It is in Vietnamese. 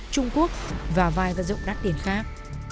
trung quốc và vài vật dụng đắt tiền khác